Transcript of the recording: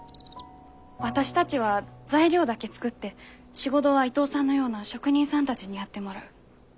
私たちは材料だけ作って仕事は伊藤さんのような職人さんたちにやってもらう。